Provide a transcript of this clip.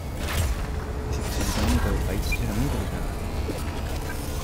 La situación económica del país era muy delicada.